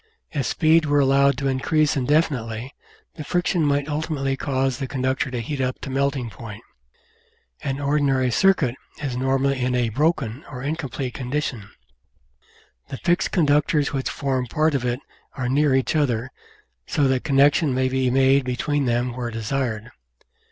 If speed were allowed to increase indefinitely the friction might ultimately cause the conductor to heat up to melting point. An ordinary "circuit" is normally in a "broken" or incomplete condition. The fixed conductors which form part of it are near each other, so that connection may be made between them where desired.